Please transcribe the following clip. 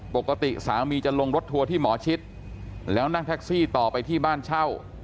ปกติสามีจะลงรถทัวร์ที่หมอชิดแล้วนั่งแท็กซี่ต่อไปที่บ้านเช่า